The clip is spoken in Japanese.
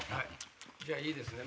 じゃあいいですね！